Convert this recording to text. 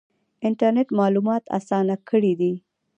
انټرنیټ معلومات اسانه کړي دي